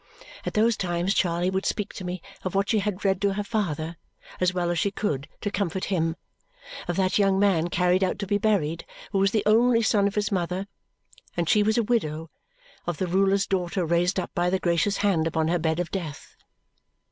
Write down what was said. At those times Charley would speak to me of what she had read to her father as well as she could to comfort him, of that young man carried out to be buried who was the only son of his mother and she was a widow, of the ruler's daughter raised up by the gracious hand upon her bed of death.